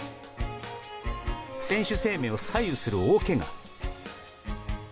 選手生命を左右する大けが。